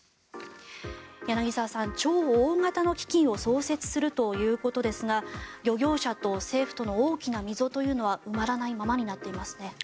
柳澤さん、超大型の基金を創設するということですが漁業者と政府との大きな溝というのは埋まらないままになっていますね。